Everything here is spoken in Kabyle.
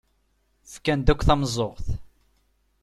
Fkan-d akk tameẓẓuɣt.